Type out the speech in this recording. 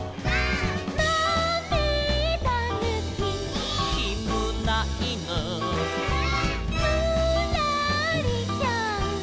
「まめだぬき」「」「きむないぬ」「」「ぬらりひょん」